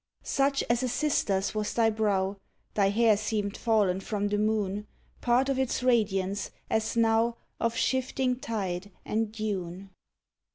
Such as a sister's was thy brow; Thy hair seemed fallen from the moon Part of its radiance, as now Of shifting tide and dune.